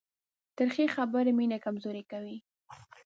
تریخې خبرې مینه کمزورې کوي.